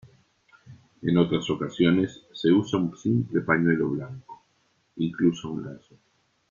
En otras ocasiones se usa un simple pañuelo blanco, incluso un lazo.